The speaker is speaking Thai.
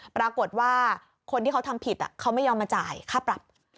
ปรากฏว่าคนที่เขาทำผิดเขาไม่ยอมมาจ่ายค่าปรับ